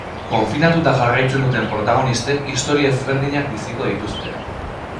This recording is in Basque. Konfinatuta jarraitzen duten protagonistek istorio ezberdinak biziko dituzte.